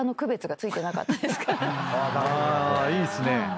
あいいっすね。